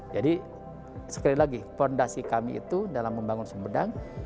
jadi sekali lagi fondasi kami itu dalam membangun sumedang